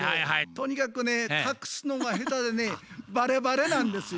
とにかくね隠すのが下手でねバレバレなんですよ。